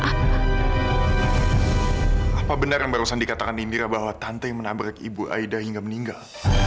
apa benar yang barusan dikatakan indira bahwa tante yang menabrak ibu aida hingga meninggal